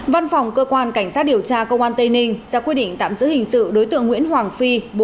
văn phòng cơ quan cảnh sát điều tra công an tây ninh ra quyết định tạm giữ hình sự đối tượng nguyễn hoàng phi